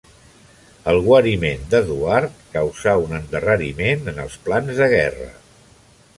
El guariment d'Eduard causà un endarreriment en els plans de guerra.